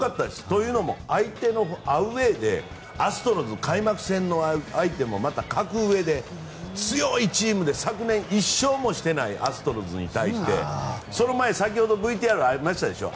というのも相手のアウェーでアストロズ戦、開幕戦の相手もまた格上で強いチームで昨年１勝もしてないアストロズに対してその前、先ほどＶＴＲにありましたでしょ。